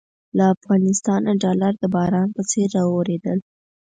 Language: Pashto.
له افغانستانه ډالر د باران په څېر رااورېدل.